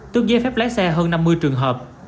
tương giới phép lái xe hơn năm mươi trường hợp